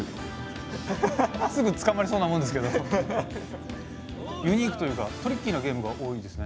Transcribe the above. すぐつかまりそうなもんですけどもユニークというかトリッキーなゲームが多いですね。